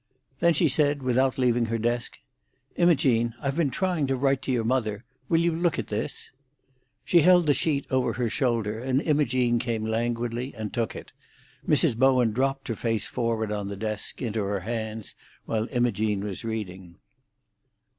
Then she said, without leaving her desk, "Imogene, I've been trying to write to your mother. Will you look at this?" She held the sheet over her shoulder, and Imogene came languidly and took it; Mrs. Bowen dropped her face forward on the desk, into her hands, while Imogene was reading.